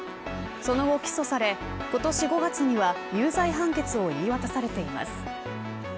その後、起訴され今年５月には有罪判決を言い渡されています。